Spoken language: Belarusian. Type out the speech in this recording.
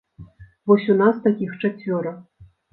Вось у нас такіх чацвёра.